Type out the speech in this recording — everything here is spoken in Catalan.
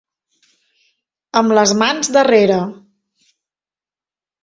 Amb les mans darrere.